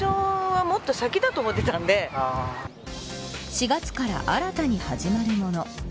４月から新たに始まるもの。